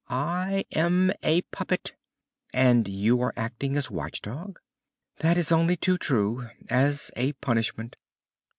"I am a puppet." "And you are acting as watch dog?" "That is only too true as a punishment."